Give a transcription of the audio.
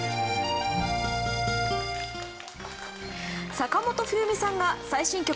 坂本冬美さんが最新曲